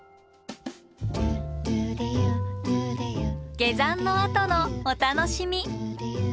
下山のあとのお楽しみ。